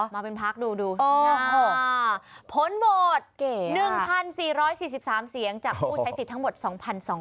มาเป็นพักดูโอ้โหผลบท๑๔๔๓เซียงจากผู้ใช้สิทธิ์ทั้งหมด๒๒๘๑คน